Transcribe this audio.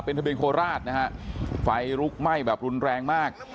ทะเบียนโคราชนะฮะไฟลุกไหม้แบบรุนแรงมาก